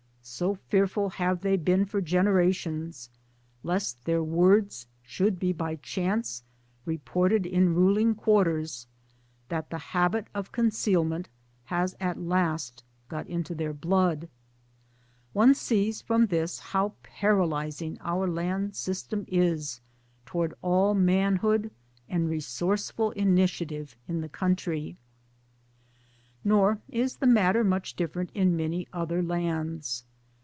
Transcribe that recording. So fearful have they been for generations lest their words should be by chance reported in ruling quarters that the habit of concealment has at last got into their blood. One sees from this how paralysing our land system is towards all manhood and resourceful initiative in the country. Nor is the matter much different in many other lands.